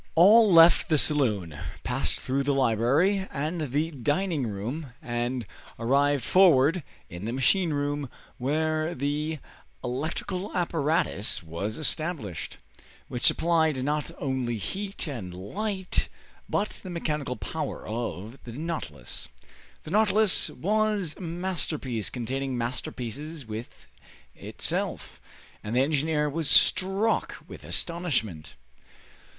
All left the saloon, passed through the library and the dining room, and arrived forward, in the machine room where the electrical apparatus was established, which supplied not only heat and light, but the mechanical power of the "Nautilus." The "Nautilus" was a masterpiece containing masterpieces within itself, and the engineer was struck with astonishment.